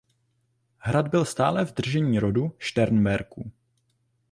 Hrad byl stále v držení rodu Šternberků.